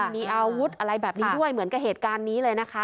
มีอาวุธอะไรแบบนี้ด้วยเหมือนกับเหตุการณ์นี้เลยนะคะ